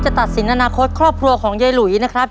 ตัดสินอนาคตครอบครัวของยายหลุยนะครับ